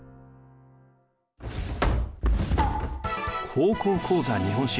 「高校講座日本史」。